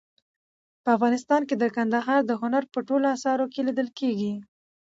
په افغانستان کې کندهار د هنر په ټولو اثارو کې لیدل کېږي.